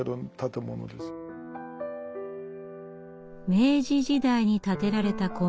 明治時代に建てられた古民家。